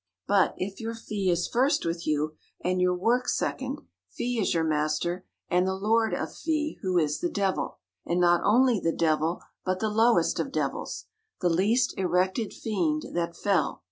But, if your fee is first with you, and your work second, fee is your master, and the lord of fee, who is the Devil; and not only the Devil but the lowest of devils the 'least erected fiend that fell.'